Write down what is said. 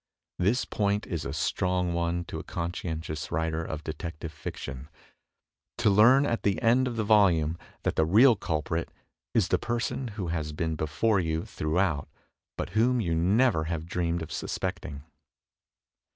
This point is a strong one to a conscientious writer of detective fiction — to learn at the end of the volume that the real culprit is the person who has been before you through out, but whom you never have dreamed of suspecting.